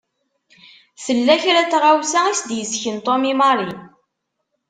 Tella kra n tɣawsa i s-d-isken Tom i Mary.